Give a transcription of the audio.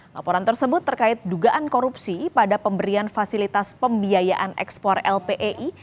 laporan tersebut terkait dugaan korupsi pada pemberian fasilitas pembiayaan ekspor lpei